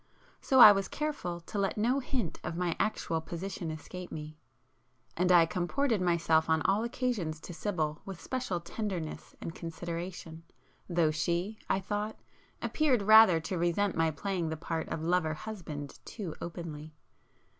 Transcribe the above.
So I was careful to let no hint of my actual position [p 343] escape me,—and I comported myself on all occasions to Sibyl with special tenderness and consideration, though she, I thought, appeared rather to resent my playing the part of lover husband too openly.